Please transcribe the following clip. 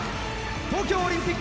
東京オリンピック